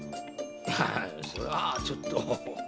いやそれはちょっと。